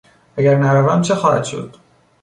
اگر نروم چه خواهد شد؟